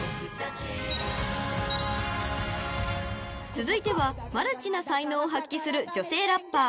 ［続いてはマルチな才能を発揮する女性ラッパー］